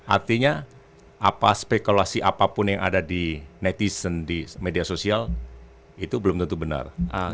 artinya apa spekulasi apapun yang ada di netizen di media sosial itu belum tentu benar